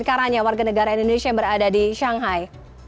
karanya warga negara indonesia yang berada di shanghai